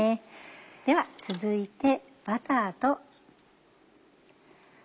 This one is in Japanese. では続いてバターと。